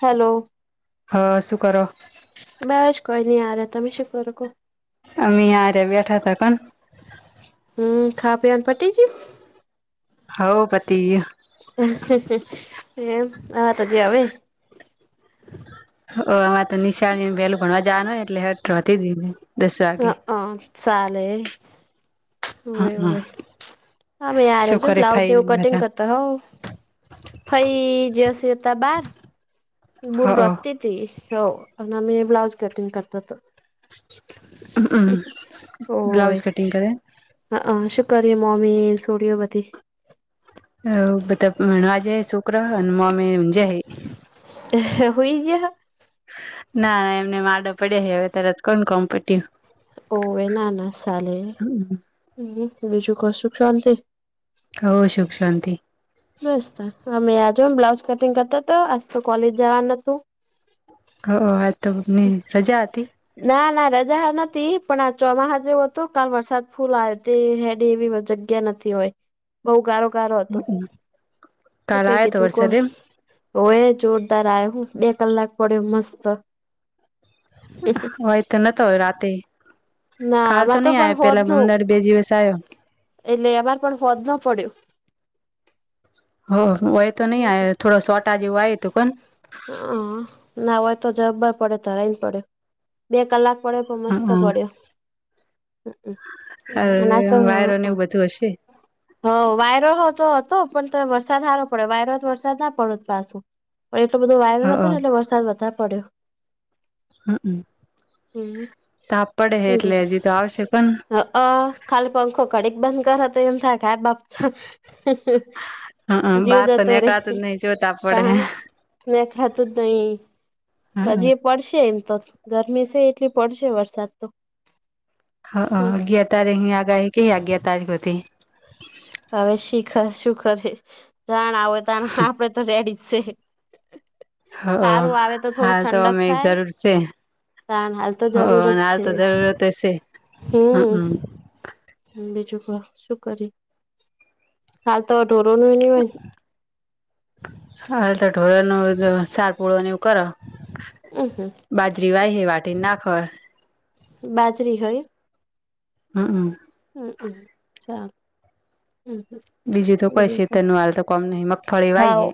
Hello હા શું કરો બસ કોઈ નહી [unintelligible] તમે શું કરો કો અમી હારે બેઠાતા [unintelligible] હમ્મ ખા પીવાનું પતી ગ્યું હવ પતી ગયું [unintelligible] ઓ આમાં તો નિશાળ વહેલું ભણવાજાવાનું એટલે [unintelligible] દસ વાગે હ સાલે હોવે હોવે, હ હમે યાર શું છો કરે બ્લાઉઝ ને ફાઈન એવું કટિંગ બધા કરતા હોવ. ફઈ જશે તા બાર બુન હ રતી [unintelligible] અમના મે બ્લાઉઝ કટિંગ કરતાતા. હોવે. બ્લાઉઝ કટિંગ કરે હા શુકરીયે મોમી છોડીયો બધી અ બધાં ભણવા જાય છોકરાઓ અને મ્મી એમ જાય. હુઈ ગીયા? ના, એમને માડો પડ્યા હે હવે તરત કોણ કોમ્પટયું ઓવે એના ના ના સાલે બીજું કશું શાંતિ ઓ સુખ શાંતિ. બસતો અમે આજો બ્લાઉઝ કટિંગ કરતા તા આજ તો કોલેજ જવા નતું. હ, હ આજ તો આપણી રજા હતી? ના ના રજા નથી પણ આ ચોમાહા જેવુ હતુ કાલ વરસાદ ફૂલ આયો તે હેડ એવી જગ્યા નથી હોય બોઉ ગારો ગારો હતો. તે કાલ પૈ આયો કીધું તો તુ કો વરસાદ એમ ઓય જોરદાર આયા હું બે કલાક પડ્યો મસ્ત. હોય તો નતો રાતે ના કાલ તો આમાં નઈ પણ આયે હોદ પેલા નું પંદર બે દિવસ આયો. એટલે અમારે પણ ફોદ ન પડ્યો. હ હોય તો નઈ આય થોડ સોટા જેવું આય હતું પણ. હ ના હોય તો જબર પડે ધરાયને પડે બે કલાક પડે પણ મસ્ત પડ્યો હઅ હ અ અન અસ વાયરો ને એવું બધું હશે હ વાયરો હો તો હતો પણ તો વરસાદ સારો પડ્યો વાયરો તો વરસાદ ના પડ પાછો. પણ એટલો બધો વાયરો નતો ને એટલે વરસાદ વધારે પડ્યો. હ હમ્મ [unintelligible] હજી તો આવશે પણ હ અ. ખાલી પંખો ઘડીક બંધ કરત એ થ કાય બાપ. હઅ જીવ બહાર તો જતો રે. નીકળાતું જ નહી જો તાપ પડે હે તાહાનુ, મે ખાધુ જ નઈ હઅ હજી પડશે એમ તો ગરમી છે એટલી પડશે વરસાદ તો. હઅ, અગિયાર તારીખની આગાહી ગેય આગયા તારીખ હુઘી. હવે શીખર શુંખરે જાણ આવે તાણ આપડે તો રેડી જ છે. હઅ હારું આવે તો થોડું હાલ ઠંડક અમે થાય. જરૂર શે તાણ હાલ તો હઅ જરૂર જ અને હાલ છે તો જરૂરતે શે હમ્મ. હમ બીજું ક શું કરી હાલ તો ઢોરોનું નઈ હોય ન હાલતો ઢોરાનું શાક પુરોને એવું કરા. ઉ હું બાજરીવાઈહી વાટીન નાખર. બાજરી હયુ. હું ઉ હું ઉમ્મ ચાલ. હમ બીજું તો કઈ છે તેનું હાલ તો કોમ નહી મગફળી વાઈ હાવ હે.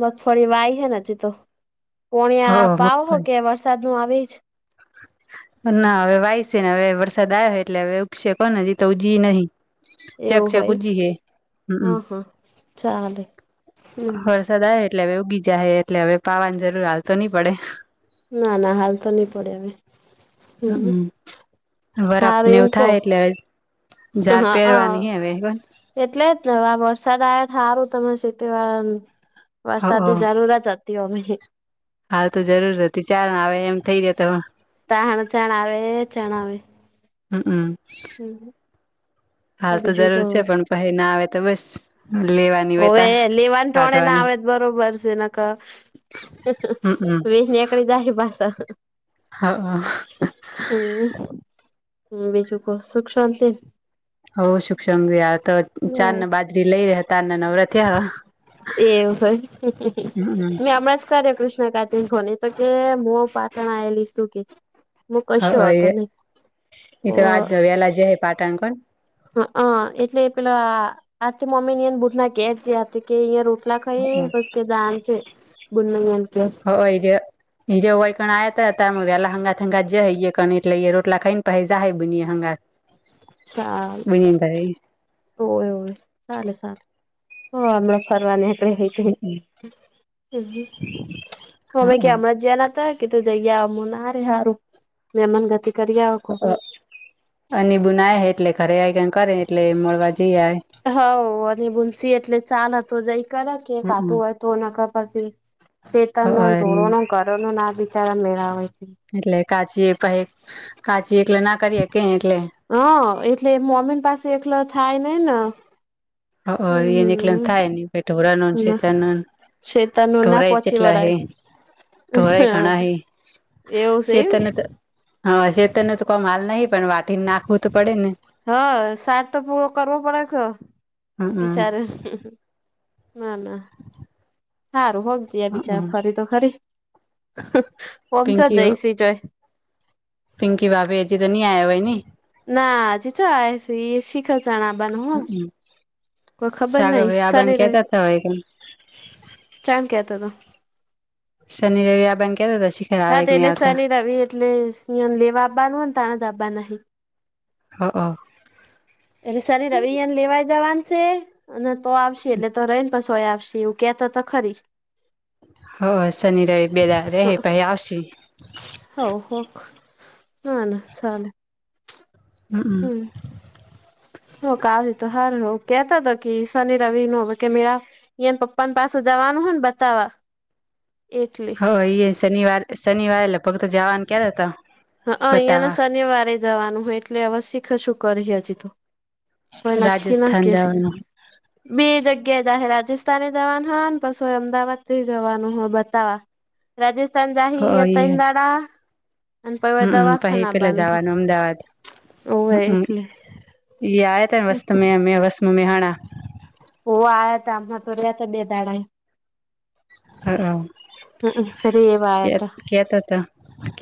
મગફળી વાઈ હે ન હજી તો હ પોણિયા પાવ હો મગફળી કે વર્ષ. સાદનું આવે ઈ જ? ના, હવે વાયસે ને હવે વરસાદ આવ્યો એટલે હવે ઉપગશે કોને હજી તો ઉ જી ઈ નહીં. એવું હોય હમમ હા હા, ચાલે હમ્મ. સદા એટલે હવે ઉગી જાય હે એટલે હવે પાવાની જરૂર હાલતો ની પડે. ના ના, હાલ તો ની પડે અવે. હ હમ્મ વરફને હારું એમ એવું કો થાય એટલે જાળ હા પેરવાની હે અવે [unintelligible] એટલે જ ને હવે આ વરસાદ આવ્યા હારું તમે શેતી વાળા હ વરસાદની જરૂરત હ તી ઓમ હી હાલ તો જરૂર હતી ચાલ ને આવે એમ થઇ જાય તો તા હાંચન આવે ચણ આવે હમ્મ હમ્મ હાલ તો બીજું કો જરૂર છે પણ પહી ના આવે તો બસ લેવાની વેતા કાઢવાની [unintelligible] હમમ [unintelligible] હા હ હમ્મ બીજું કો સુખ શાંતિ ન હોવ સુખ શાંતી [unintelligible] [unintelligible] [unintelligible] હ એ પાટણ આવેલી શું કે હું [unintelligible] કશો હતો નહી એ તો આજ વેલા જાહે પાટણ પણ [unintelligible] [unintelligible] [unintelligible] [unintelligible] [unintelligible] [unintelligible] કે [unintelligible] બુની ઘરે હઅ તો જઈયા અમુંન મારે હારું મેમાન ગતિ કરી આવો કો [unintelligible] [unintelligible] [unintelligible] એટલે કાચી એ પહી કાચી એકલે ના કરીએ કે એટલે હ એટલે મોમ્મી પાસે એકલ થાય ન‌ઈ ન [unintelligible] એકલાને થાય ની હમ શેતાનું ના પહોંચી વળાય [unintelligible] એવું [unintelligible] છે એમ હા શેતરને તો કોમ હાલ નહી પણ વાટીને નાખવું તો પડે ને હા સાર તો પૂરો કરવો પડે છ બિચારે હમમ ના ના હારું [unintelligible] બીચા ફરી તો ખરી પિંકી [unintelligible] પિંકી ભાભી તો અજી તો [unintelligible] ના [unintelligible] હમમ કોઈ ખબર સાગ ન‌ઈ ભાઈ આબાને શનિ રવિ કેતા હતા હોય કે [unintelligible] કેતાતા શનિ રવી [unintelligible] હા [unintelligible] હા હ એટલે શની રવિ એને લેવાઈ જવાન સે અને તો આવશે એટલે તો રહીને પસી [unintelligible] હ શનિ રવિ બે દાળ રેહે પહી આવશે. હો [unintelligible] હમમ હમ્મ [unintelligible] કેતા તા કી શનિ રવિનું [unintelligible] એને પપ્પા પાસુ જવાનું હોય ને બતાવવા [unintelligible] [unintelligible] [unintelligible] બતાવા રાજસ્થાન જવાનું બે જગ્યાએ જાહે રાજસ્થાને જવાના પાસો એમ અમદાવાદથી જવાનું હો બતાવા રાજસ્થાન જાહી હો ન્યાં તઈન ઈ દાડા અને પહી હમમ પહી દવાખાના પેલા આવવાનું હે જવાનું અમદાવાદ ઓવે હમમ એટલે [unintelligible] ઓ આવ્યા હતા આમણા તો રહ્યા હતા બે દાડાએ હા હમમ રેવા હ આયા એમ તા કેતાતા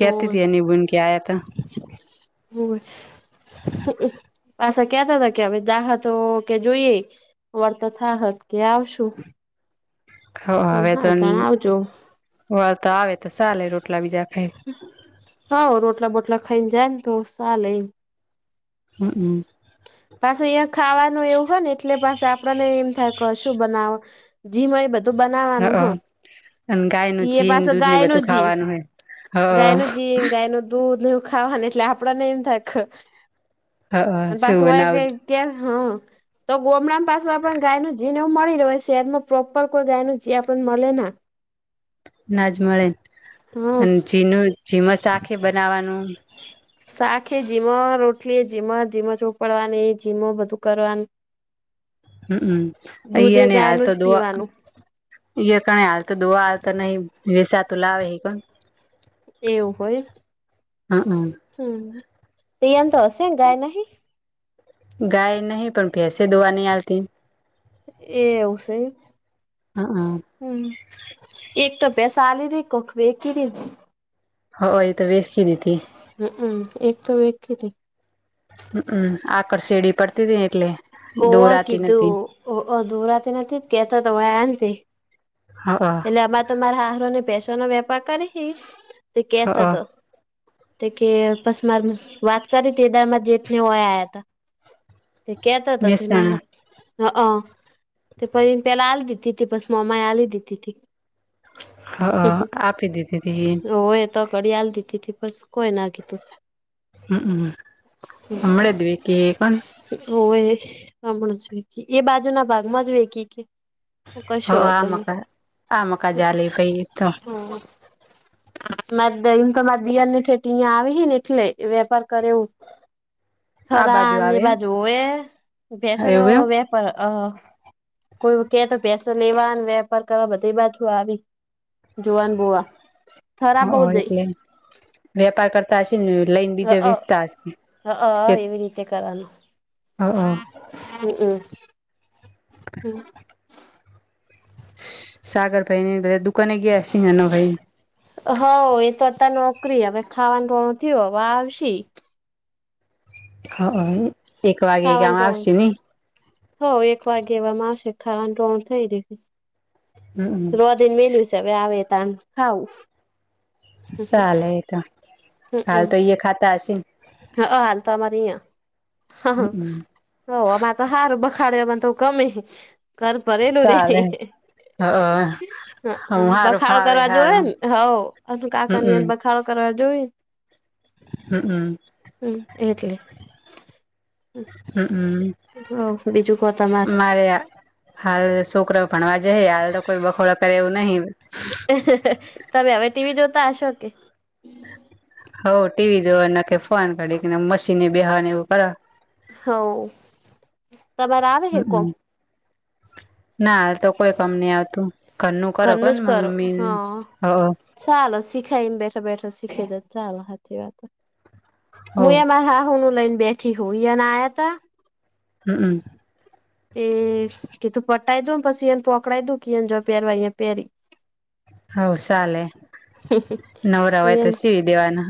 હોવે એની બુન કે આયતા [unintelligible] પાસા કેતાતા કે હવે જાહે તો કે જોઈએ વળત થાહત કે આવશું હ મે હવે તો હારુ તાણ આવજો વળતા આવે તો સાલે રોટલા બીજા ખાઈ હા રોટલા બોટલા ખાઈને જાય ને તો ચાલે હઅંમ પાછ અહીં ખાવાનું એવું હોય ને એટલે પાસા આપણને એમ થાય કે શું બનાવું જીમાં એ બધું બનાવાનું હોય અને ગાય નું ઈ એ જીન પાછો દૂધ ને ગાય નો બધું જી ખાવાનું ગાય હોય નો જી ગાય નું દૂધ ખાવાની એટલે આપડને એમ થાય હ હ શું પાછું હોય બનાવું કઈ એ હ તો ગોમડામ પાછું આપણને ગાય નું જીણ મળી રહે છે શહેરમાં પ્રોપર કોઈ ગાય નું જી આપણને મળે ના ના જ મળે હમ અને જી નું જીમાં શાખે બનાવવાનું શાખ એ જીમાં રોટલી જીમાં ધીમાં ચોપડવાની એ જીમ બધું કરવાનું હમમ દૂધે અહીયા ને હાલ ગાયનું તો જ દોઆ પીવાનું ઇયા કણે હાલ તો દોવા હાલ તો નહી વેસાતું લાવે હ કો એવું હોય હમ હમ ત્યાં તો હશે ગાય નહી ગાય નહીં પણ ભેંસે દોવાની આલતી એવું સે હઅંમ હમ એક તો પૈસા [unintelligible] કોક વેચી રે હઅં એ તો વેસી દીધી હઅં એક તો વેચી દીધી હઅં આકળ શેડી પડતી હતી એટલે હોવા દોરાતી નથી કીધું ઓહો દોરાતી નથી હ [unintelligible] તમારા હાહરો ને ભેંસોનો વેપાર કરિહી તે કેતો હ તો તે કે બસ મારે વાત કરી હતી એટલામાં જેઠને [unintelligible] આયા તા તે કેતા મહેસાણા [unintelligible] હ અ તે પછી પેલા આલી [unintelligible] હ [unintelligible] આપી દીધી હતી તો ઘડિયાલ દીધી તી બસ કોઈ ના કીધું હમમ [unintelligible] ઓ એ હમણા જ ગયતી એ બાજુના ભાગમાં જ વેઈ ગઈ કે હ કશું હો આ તો હમ મકા આ મકા જાલે પઈ તો મારેમ તો મારા દિયાને છેઠ અહયા આવી હ ને એટલે વેપાર કરે એવું આ બાજુ થોરાની આવે એમ બાજુ એ ભેંસોનો એવું વેપાર કોઈ કે તો ભેંસો લેવા વેપાર કરવા બધી એ બાજુ આવી જોઆન બોઆ હ એટલે વેપાર કરતા હશે ને લઈને બીજા વેચતા હશે હ હ એવી રીતે કરવાનું હા હ હમ્મ હમ્મ હમ્મ સાગર ભાઈ દુકને ગયા છે હેના ભાઈ હ એ તો અતા નોકરી હવે ખાવાનું [unintelligible] હવે આવશે હ એક વાગે કેમ ખાવાનું ટોણું આવશે નહી હો એક વાગે એવામાં આવશે ખાવાનું રોણ થઈ ગયુ. હમમ રોધીને મેલ્યું સે હવે આવે એ ટાઈમ ખાવું સાલે એ તો હાલ તો ઈ ખાતા હશે ને હા હાલ તો અમારી હમમ અહીંયા હ અમાર તો હારું બખાડ્યો એમાં તો ગમે હે ઘર ભરેલું ચાલે રેય હ હું હારું બખાડો ફાવે કરવા જોવે હારું ને હ અને કાકાની હમમ [unintelligible] [unintelligible] કરવા જોઈ હમ્મ હમ્મ હમ્મ એટલે હ બીજું કો તમાર હા રે હા હાલ શોકરાવ ભણવા જાય હાલ તો કોઈ બખોડા કરે એવું નહી. તમે હવે ટીવી જોતા હશો કે હો ટીવી જોવા નકે ફોન કાડી કેને મશીનની બેસવા એવું કર હવ તમારે આવે હે કોણ હમમ ના હાલ તો કોઈ કામ નહી આવતું ઘરનું કરો કો ને જ કરો મમ્મી હા હ ચાલો શીખાઈને બેઠા બેઠા શીખાય છે ચાલો હાચી વાત હું હવ એમારા હાહુ નું લઈને બેઠી હોઉ ને [unintelligible] આયાતા હમ્મ હમ્મ [unintelligible] હવ ચાલે નવરા હોય તો સિવિ દેવાના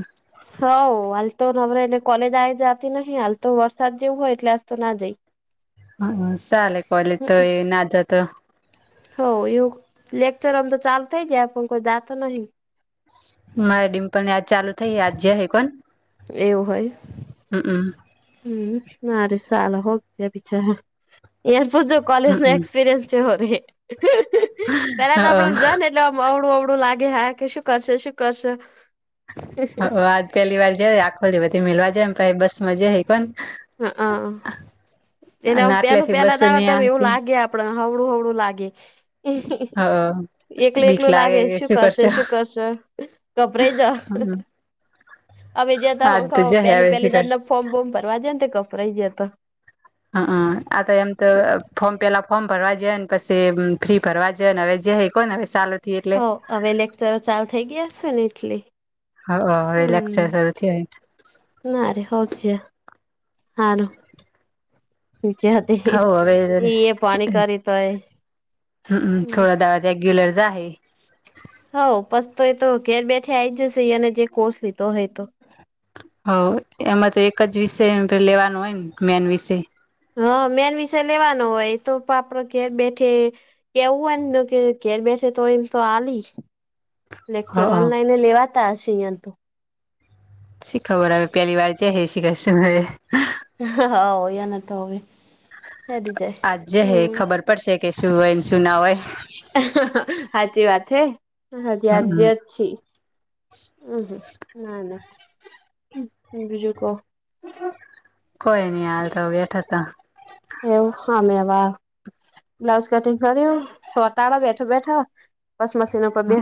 હઉ હાલ તો નવરા એલે કોલેજ આવી જતી નહી હાલ તો વરસાદ જેવું હોય એટલે આજ તો ના જઈ હા સાલે કોલેજ તો એ ના જતો હો એવું લેક્ચર અમ તો ચાલુ થય ગ્યા પન કોઈ જાતું નહી મારે ડિમ્પલ ને આજ ચાલુ થઇ આજ જ હે કોણ એવું હોય હમ્મ હમ્મ હમ્મ, સારુ [unintelligible] કોલેજ નો એક્સપીરયન્સ ચેવો રેય પેલા તો આપડને જ ને એટલે અવડું અવડું લાગે હા કે શું કરશે શું કરશે હ આજ પેલી વાર જઈ આખો બધી મેલવા જાય એમ [unintelligible] બસમાં જઈ પણ એલે પેલું પેલા દાડા તમે એવું આવતી લાગે આપણા હવળું હવડું લાગે હા એકલું એકલું લાગે શું કરશે શું કરશે ગભરાઈ જ હમ હમે જતા આજ તો હ જહે પેલું હવે શું પેલું કરશે દાડ ફોર્મ બોમ ભરવા જ ને ગભરાઈ ગીયા તા હા હ આ તો એમ તો ફોર્મ પેલા ફોર્મ ભરવા [unintelligible] પછી ફ્રી ભરવા [unintelligible] હો હવે લેક્ચરો ચાલુ થઈ ગયા છે ને એટલે હા હવે હમ લેક્ચર ચાલુ થયો [unintelligible] ના રે હો જ હારુ નીચે હતી હવ હવે એ એ પાણી કરી તોય હમ થોડા દાડા રેગ્યુલર જા હે હઉ પસ તો એતો ઘેર બેઠે આ આવી જશે એને જે કોર્સ લીધો હોય તો હ એમાં તો એક જ વિષય એમતો લેવાનું હોય ને મેન વિષય હા મેન વિષય લેવાનો હોય એ તો આપડો ઘેર બેઠે કેવું એમ તો કે ઘેર બેસે તો એમ તો આલી લેક્ચર હઅ ઓનલાઈને લેવાતા હશે અહિયાં તો શી ખબર હવે પહેલી વાર જ હે શી કરશે હવે ઓ એને તો હોવે આજે હે ખબર પડશે કે શું હોય ન શું ના હોય હાચી વાત હે હજી આ જ હમ છે. હમ્મ હમ્મ ના ના બીજું કો કોઈ નઈ હાલ તો બેઠા હતા એવું હમ એવા બ્લાઉઝ કટિંગ કર્યું સોટાળો બેઠો બેઠા બસ મશીન ઉપર બેહ